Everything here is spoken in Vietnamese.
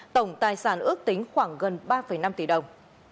tổng tài sản ước tính khoảng gần ba năm tỷ đồng